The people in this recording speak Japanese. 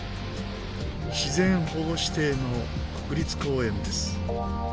自然保護指定の国立公園です。